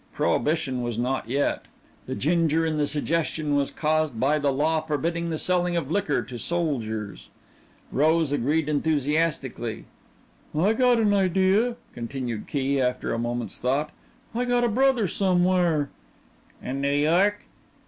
Prohibition was not yet. The ginger in the suggestion was caused by the law forbidding the selling of liquor to soldiers. Rose agreed enthusiastically. "I got an idea," continued Key, after a moment's thought, "I got a brother somewhere." "In New York?"